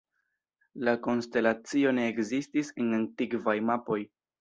La konstelacio ne ekzistis en antikvaj mapoj.